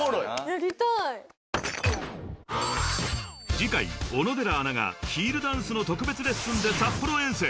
［次回小野寺アナがヒールダンスの特別レッスンで札幌遠征］